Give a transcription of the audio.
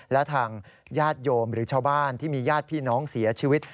และทางญาติโยมหรือชาวบ้านที่มีญาติพี่น้องเสียชีวิต